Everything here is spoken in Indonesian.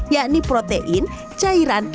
yakni protein cairan